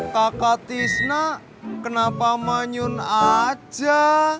kakak tisna kenapa manyun aja